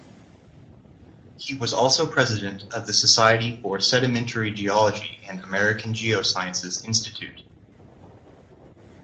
He was also president of the Society for Sedimentary Geology and American Geosciences Institute.